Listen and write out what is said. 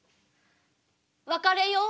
別れよう。